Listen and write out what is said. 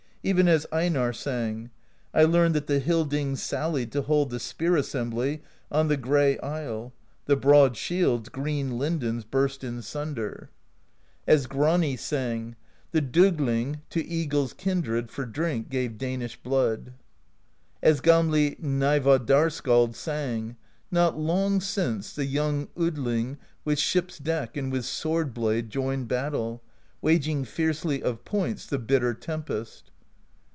Even as Einarr sang: I learned that the Hildings sallied To hold the Spear Assembly On the Gray Isle; the broad shields. Green lindens, burst in sunder. THE POESY OF SKALDS 231 As Grani sang: The Dogling to eagle's kindred For drink gave Danish blood. As Gamli Gnaevadar Skald sang: Not long since, the young Odling With ship's deck and with sword blade Joined battle, waging fiercely Of points the bitter tempest.